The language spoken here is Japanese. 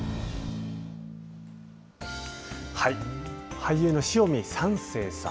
俳優の塩見三省さん。